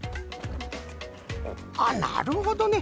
あっなるほどね。